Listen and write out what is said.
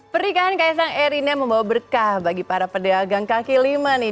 pernikahan kak esang dan erina membawa berkah bagi para pedagang kaki lima nih